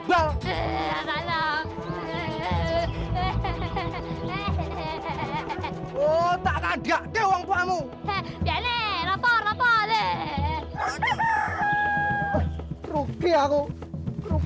sulika kenapa bolanya sangkutin ke pohon